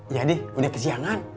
iya nih udah kesiangan